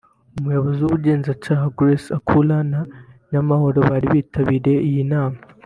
Umuyobozi w’ubugenzacyaha Grace Akullo na Nyamahoro bari bitabiriye iyi nama